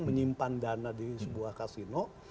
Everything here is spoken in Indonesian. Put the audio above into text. menyimpan dana di sebuah kasino